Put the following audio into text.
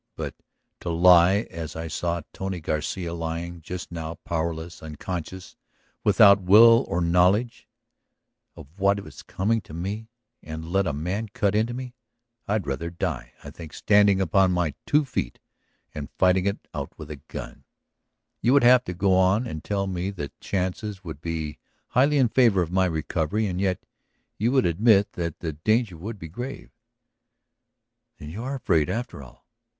But to lie as I saw Tony Garcia lying just now, powerless, unconscious, without will or knowledge of what was coming to me, and to let a man cut into me ... I'd rather die, I think, standing upon my two feet and fighting it out with a gun! You would go on and tell me that the chances would be highly in favor of my recovery; and yet you would admit that the danger would be grave." "Then you are afraid, after all?